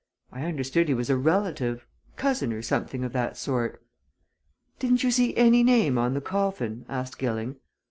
I understood he was a relative cousin or something of that sort." "Didn't you see any name on the coffin?" asked Gilling.